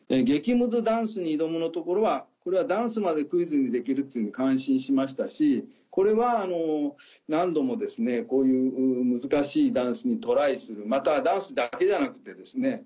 激むずダンスに挑むのところはこれはダンスまでクイズにできるって感心しましたしこれは何度もこういう難しいダンスにトライするまたはダンスだけじゃなくてですね